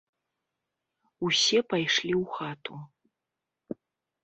Усе пайшлі ў хату.